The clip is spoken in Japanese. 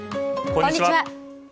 こんにちは。